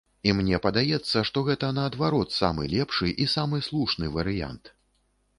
І мне падаецца, што гэта наадварот самы лепшы і самы слушны варыянт.